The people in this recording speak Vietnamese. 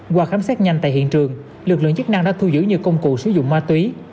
qua khám xét nhanh tại hiện trường lực lượng chức năng đã thu giữ nhiều công cụ sử dụng ma túy